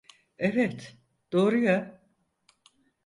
Evet, doğru ya.